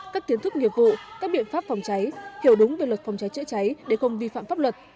các kiến thức nghiệp vụ các biện pháp phòng cháy hiểu đúng về luật phòng cháy chữa cháy để không vi phạm pháp luật